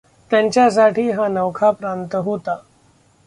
त्यांच्यासाठी हा नवखा प्रांत होता.